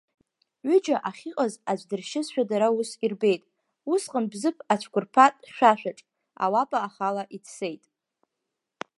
Ҩыџьа ахьыҟаз азә дыршьызшәа дара ус ирбеит, усҟан Бзыԥ ацәқәырԥа хьшәашәаҿ, ауапа ахала иӡсеит.